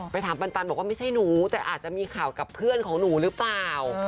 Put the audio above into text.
ถามปันบอกว่าไม่ใช่หนูแต่อาจจะมีข่าวกับเพื่อนของหนูหรือเปล่า